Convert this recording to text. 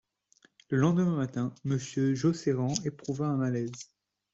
Le lendemain matin, Monsieur Josserand éprouva un malaise.